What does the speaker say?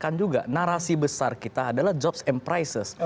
saya perlu kami ingatkan juga narasi besar kita adalah jobs and prices